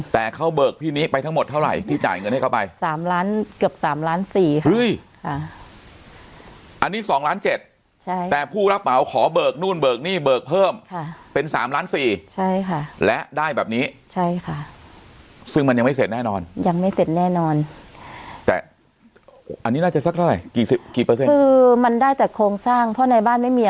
แต่เขาเบิกที่นี้ไปทั้งหมดเท่าไหร่ที่จ่ายเงินให้เขาไปสามล้านเกือบสามล้านสี่ค่ะอันนี้สองล้านเจ็ดใช่แต่ผู้รับเหมาขอเบิกนู่นเบิกหนี้เบิกเพิ่มค่ะเป็นสามล้านสี่ใช่ค่ะและได้แบบนี้ใช่ค่ะซึ่งมันยังไม่เสร็จแน่นอนยังไม่เสร็จแน่นอนแต่อันนี้น่าจะสักเท่าไหร่กี่สิบกี่เปอร์เซ็นต์คือมันได้แต่โครงสร้างเพราะในบ้านไม่มี